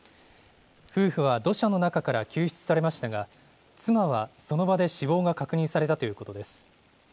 夫婦は土砂の中から救出されましたが、妻はその場で死亡が確認されたということです。